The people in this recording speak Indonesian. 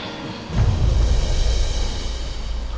ya aku mau pindah ke rumah